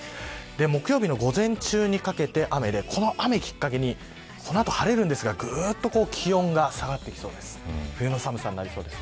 木曜日の午前中にかけて雨でこの雨をきっかけにこの後、晴れるんですがぐっと気温が下がってきそうです。